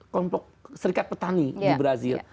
kelompok serikat petani di brazil